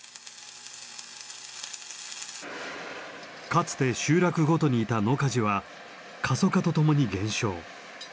かつて集落ごとにいた野鍛冶は過疎化とともに減少。